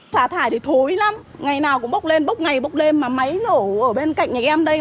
xả thải thì thối lắm ngày nào cũng bốc lên bốc ngày bốc lên mà máy nổ ở bên cạnh nhà em đây